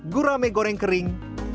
gurame goreng kering